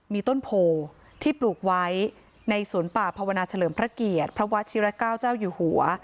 มีต้นโพที่ปลูกไว้ในสวนป่าภาวนาเฉลิมพระเกียรติพระวัชิรเก้าเจ้าอยู่หัว